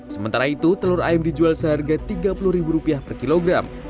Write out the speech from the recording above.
sementara itu telur ayam dijual seharga rp tiga puluh per kilogram